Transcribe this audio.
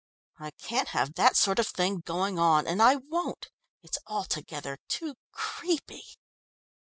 I can't have that sort of thing going on, and I won't! it's altogether too creepy!"